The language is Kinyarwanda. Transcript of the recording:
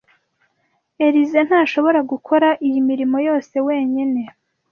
Elyse ntashobora gukora iyi mirimo yose wenyine.